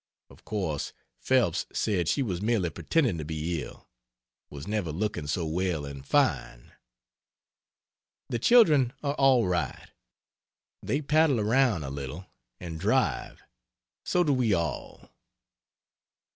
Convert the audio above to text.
Of course, Phelps said she was merely pretending to be ill; was never looking so well and fine. The children are all right. They paddle around a little, and drive so do we all.